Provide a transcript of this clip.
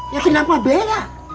ya kenapa beda